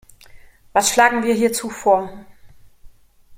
Was schlagen wir hierzu vor?